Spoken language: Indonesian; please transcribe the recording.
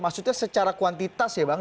maksudnya secara kuantitas ya bang